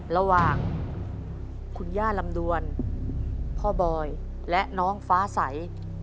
ระหว่างคุณย่าลำดวนพ่อบอยและน้องฟ้าใส